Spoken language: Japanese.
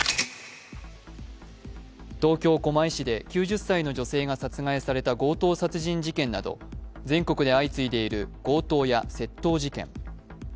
東京・狛江市で９０歳の女性が殺害された強盗殺人事件など全国で相次いでいる強盗や窃盗事件。